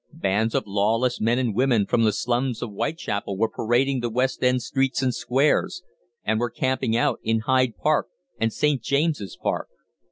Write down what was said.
Bands of lawless men and women from the slums of Whitechapel were parading the West End streets and squares, and were camping out in Hyde Park and St. James's Park.